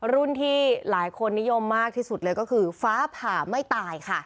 ที่หลายคนนิยมมากที่สุดเลยก็คือฟ้าผ่าไม่ตายค่ะ